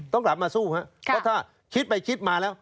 ต้องกลับมาสู้ครับเพราะถ้าคิดไปคิดมาแล้ว